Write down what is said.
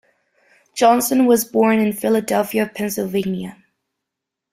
Johnson was born in Philadelphia, Pennsylvania.